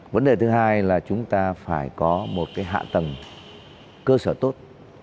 vấn đề thứ hai là chúng ta phải có một hạ tầng cơ sở tốt